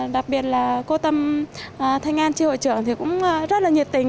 đặc biệt là cô tâm thanh an tri hội trưởng thì cũng rất là nhiệt tình